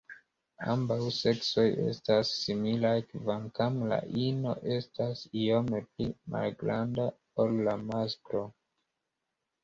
Ambaŭ seksoj estas similaj, kvankam la ino estas iome pli malgranda ol la masklo.